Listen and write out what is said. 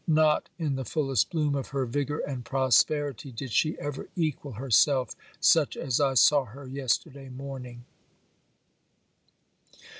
Not, in the fullest bloom of her vigour and prosperity, did she ever equal herself such as I saw her yesterday morning.